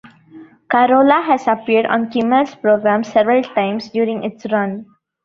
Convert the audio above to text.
Carolla has appeared on Kimmel's program several times during its run.